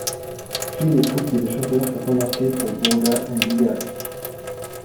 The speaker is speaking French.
Puis les troupes et les chanteurs furent embarqués pour Bourgas en Bulgarie.